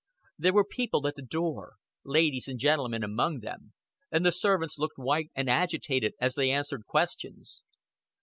There were people at the door, ladies and gentlemen among them, and the servants looked white and agitated as they answered questions.